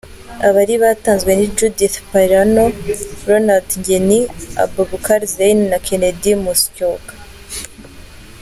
Abari batanzwe ni Judith Pareno, Ronald Ngeny, Abubakar Zein na Kennedy Musyoka.